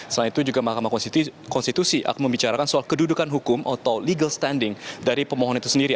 selain itu juga mahkamah konstitusi akan membicarakan soal kedudukan hukum atau legal standing dari pemohon itu sendiri